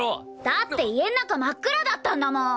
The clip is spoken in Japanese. だって家の中真っ暗だったんだもん！